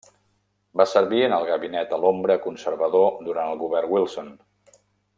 Va servir en el Gabinet a l'Ombra Conservador durant el govern Wilson.